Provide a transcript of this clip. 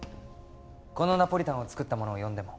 このナポリタンを作った者を呼んでも？